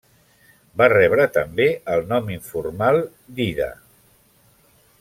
Va rebre també el nom informal d'Ida.